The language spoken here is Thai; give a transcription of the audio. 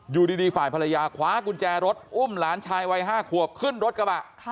อยู่ดีฝ่ายภรรยาคว้ากุญแจรถอุ้มหลานชายวัย๕ขวบขึ้นรถกระบะ